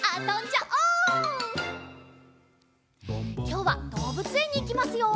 きょうはどうぶつえんにいきますよ！